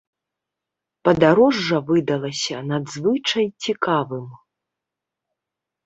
Падарожжа выдалася надзвычай цікавым.